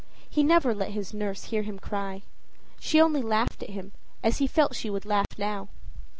He never let his nurse hear him cry. She only laughed at him, as he felt she would laugh now.